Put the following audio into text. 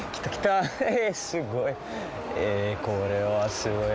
すごい。